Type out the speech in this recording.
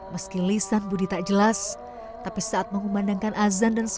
meski lisan budi tak jelas tapi saat mengumandangkan azan dan sejarah